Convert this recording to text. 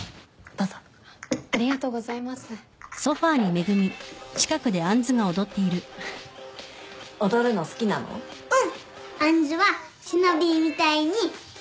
うん。